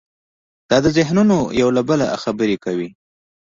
دا ذهنونه یو له بله خبرې کوي.